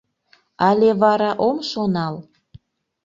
Але вара ом шонал?